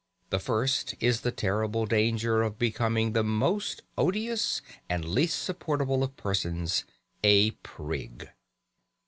The first is the terrible danger of becoming that most odious and least supportable of persons a prig.